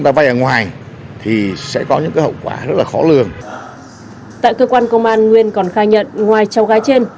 tại cơ quan công an nguyên còn khai nhận ngoài cháu gái trên